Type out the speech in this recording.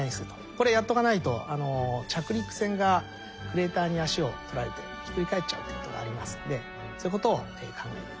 これやっとかないと着陸船がクレーターに足をとられてひっくり返っちゃうってことがありますんでそういうことを考えています。